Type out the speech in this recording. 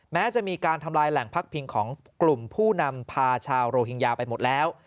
แม้จะมีการทำลายแหล่งพักพิงของกลุ่มผู้นำพาชาวโรฮิงญาไปหมดแล้ว